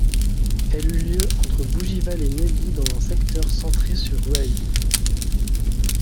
Elle eut lieu entre Bougival et Neuilly dans un secteur centré sur Rueil.